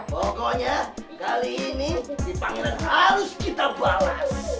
pokoknya kali ini dipanggilan harus kita balas